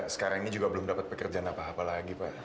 sekarang ini juga belum dapat pekerjaan apa apa lagi pak